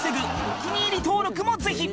お気に入り登録もぜひ！